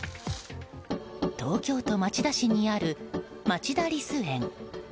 東京都町田市にある町田リス園。